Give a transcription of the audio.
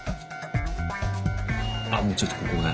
あっもうちょっとここね。